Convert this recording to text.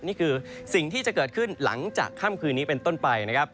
นี่คือสิ่งที่จะเกิดขึ้นหลังจากค่ำคืนนี้เป็นต้นไปนะครับ